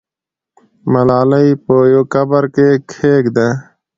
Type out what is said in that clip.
ملالۍ په یوه قبر کې کښېږده.